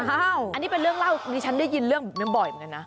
อันนี้เป็นเรื่องเล่าดิฉันได้ยินเรื่องแบบนี้บ่อยเหมือนกันนะ